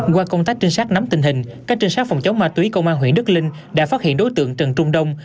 qua công tác trinh sát nắm tình hình các trinh sát phòng chống ma túy công an huyện đức linh đã phát hiện đối tượng trần trung đông